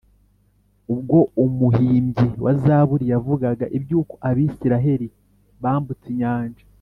ubwo umuhimbyi wa zaburi yavugaga iby’uko abisiraheli bambutse inyanja,